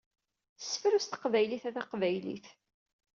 Sefru s teqbaylit a taqbaylit!